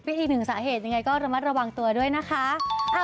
อีกหนึ่งสาเหตุยังไงก็ระมัดระวังตัวด้วยนะคะ